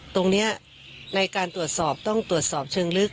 ตรงนี้ในการตรวจสอบต้องตรวจสอบเชิงลึก